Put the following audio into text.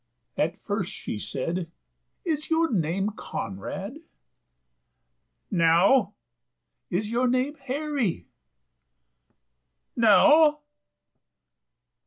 at first she said, "Is your name Conrad?" "No." "Is your name Harry?" "No."